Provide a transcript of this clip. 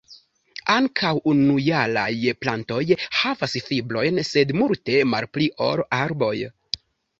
Ankaŭ unujaraj plantoj havas fibrojn, sed multe malpli ol arboj.